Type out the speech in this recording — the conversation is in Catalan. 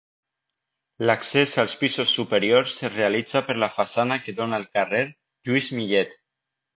L'accés als pisos superiors es realitza per la façana que dóna al carrer Lluís Millet.